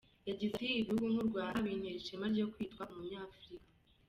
Yagize ati “Ibihugu nk’u Rwanda bintera ishema ryo kwitwa umunyafurika.